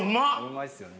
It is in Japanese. うまいですよね。